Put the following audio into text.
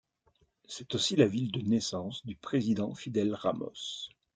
C'est aussi la ville de naissance du président Fidel Ramos.